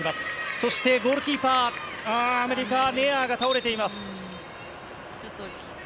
そして、ゴールキーパーアメリカ、ネアーが倒れています。